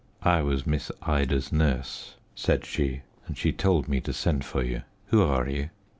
"I was Miss Ida's nurse," said she; "and she told me to send for you. Who are you?"